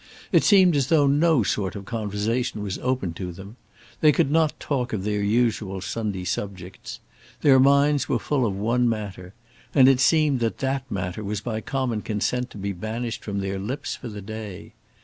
It seemed as though no sort of conversation was open to them. They could not talk of their usual Sunday subjects. Their minds were full of one matter, and it seemed that that matter was by common consent to be banished from their lips for the day.